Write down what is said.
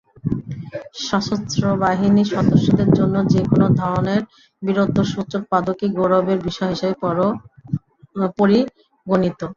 সশস্ত্র বাহিনীর সদস্যদের জন্য যেকোনো ধরনের বীরত্বসূচক পদকই গৌরবের বিষয় হিসেবে পরিগণিত।